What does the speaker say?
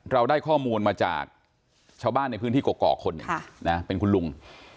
เราได้ข้อมูลมาจากชาวบ้านในพื้นที่กอกคนหนึ่งเป็นคุณลุง